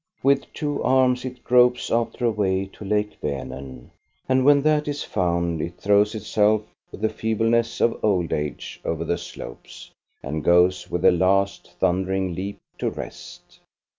With two arms it gropes after a way to Lake Vanem, and when that is found it throws itself with the feebleness of old age over the slopes and goes with a last thundering leap to rest.